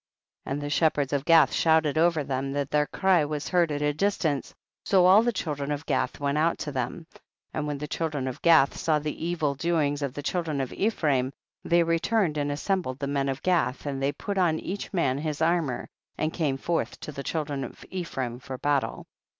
9. And the shepherds of Gath shout ed over them that their cry was heard at a distance, so all the children of Gath went out to them. 10. And when the children of Gath saw the evil doings of the children of Ephraim, they returned and as sembled the men of Gath, and they put on each man his armour, and came forth to the children of Ephraim for battle.